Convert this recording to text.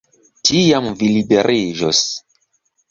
Tiam vi liberiĝos.